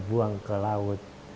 terbuang ke laut